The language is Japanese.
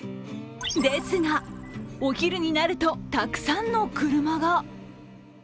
ですが、お昼になるとたくさんの車が。